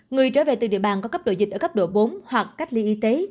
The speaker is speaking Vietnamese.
người trở về từ địa bàn có cấp độ dịch ở cấp độ bốn hoặc cách ly y tế